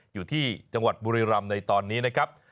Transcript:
อยู่ที่จังหวัดบุรีรำในตอนนี้นะครับ